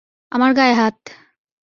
আমার গায়ে হাত!